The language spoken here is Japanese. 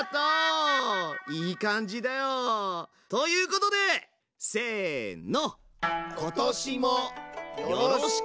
いい感じだよ。ということでせの！